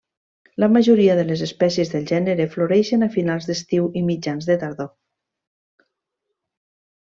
La majoria de les espècies del gènere floreixen a finals d'estiu i mitjans de tardor.